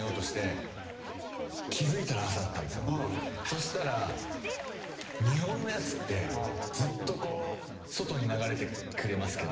そしたら日本のやつってずっとこう外に流れてくれますけど。